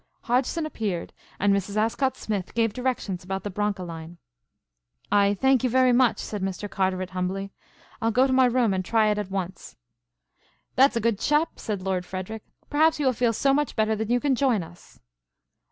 Hodgson appeared and Mrs. Ascott Smith gave directions about the Broncholine. "I thank you very much," said Mr. Carteret humbly. "I'll go to my room and try it at once." "That's a good chap!" said Lord Frederic, "perhaps you will feel so much better that you can join us.